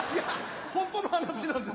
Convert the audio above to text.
ホントの話なんです。